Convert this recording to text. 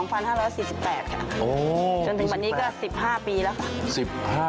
จนถึงวันนี้ก็๑๕ปีแล้วค่ะ